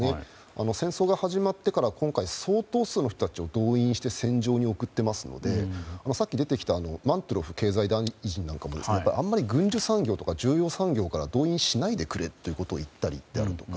戦争が始まってから今回、相当数の人たちを動員して戦場に送っていますのでさっき出てきた経済大臣もあまり軍需産業などから動員しないでくれと言ってくれたりとか